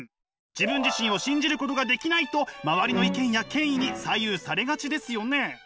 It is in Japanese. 自分自身を信じることができないと周りの意見や権威に左右されがちですよね。